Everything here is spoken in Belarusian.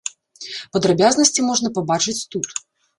Падрабязнасці можна пабачыць тут.